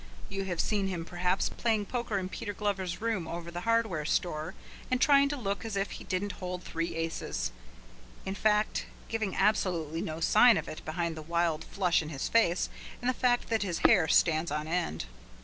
You have seen him, perhaps, playing poker in Peter Glover's room over the hardware store and trying to look as if he didn't hold three aces, in fact, giving absolutely no sign of it beyond the wild flush in his face and the fact that his hair stands on end.